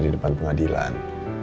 di depan pengadilan